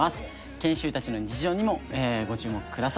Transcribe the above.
研修医たちの日常にもご注目ください。